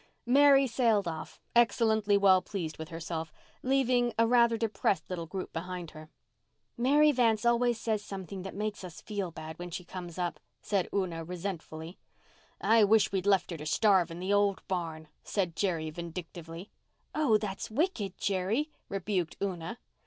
Mary sailed off, excellently well pleased with herself, leaving a rather depressed little group behind her. "Mary Vance always says something that makes us feel bad when she comes up," said Una resentfully. "I wish we'd left her to starve in the old barn," said Jerry vindictively. "Oh, that's wicked, Jerry," rebuked Una.